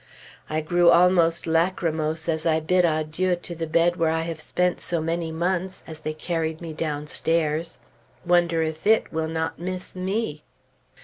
I grew almost lachrymose as I bid a last adieu to the bed where I have spent so many months, as they carried me downstairs. Wonder if it will not miss me?